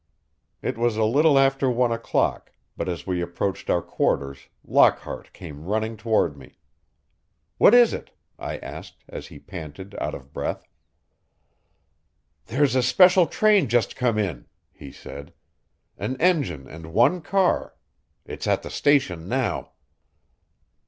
It was a little after one o'clock, but as we approached our quarters Lockhart came running toward me. "What is it?" I asked, as he panted, out of breath. "There's a special train just come in," he said; "an engine and one car. It's at the station now."